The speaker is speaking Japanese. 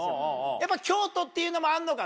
やっぱ京都っていうのもあるのか？